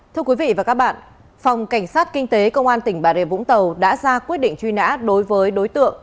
thưa quý vị và các bạn phòng cảnh sát kinh tế công an tỉnh bà rìa vũng tàu đã ra quyết định truy nã đối với đối tượng